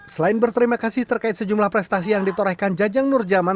selain berterima kasih terkait sejumlah prestasi yang ditorehkan jajang nurjaman